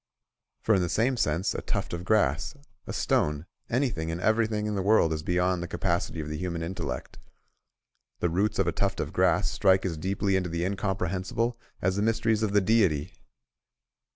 For in the same sense a tuft of grass, a stone, anything and everything in the world is beyond the capacity of the human intellect: the roots of a tuft of grass strike as deeply into the incomprehensible as the mysteries of the Deity.